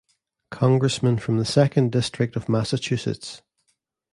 Congressman from the Second District of Massachusetts.